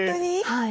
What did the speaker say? はい。